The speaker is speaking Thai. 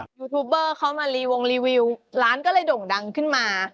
ยูทูบเบอร์เขามารีวงรีวิวร้านก็เลยโด่งดังขึ้นมา